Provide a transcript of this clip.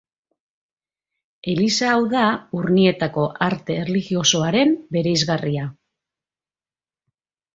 Eliza hau da Urnietako arte erlijiosoaren bereizgarria.